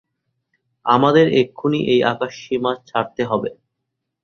আমাদের এক্ষুণি এই আকাশসীমা ছাড়তে হবে।